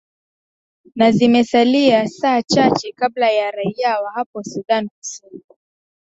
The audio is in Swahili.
na zimesalia saa chache kabla ya raia wa hapo sudan kusini